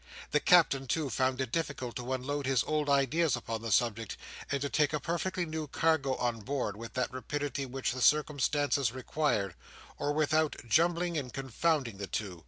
The Captain, too, found it difficult to unload his old ideas upon the subject, and to take a perfectly new cargo on board, with that rapidity which the circumstances required, or without jumbling and confounding the two.